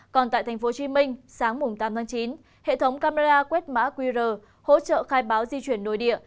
còn tại thành phố hồ chí minh sáng tám tháng chín hệ thống camera quét mã qr hỗ trợ khai báo di chuyển nồi địa